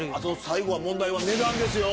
最後問題は値段ですよ！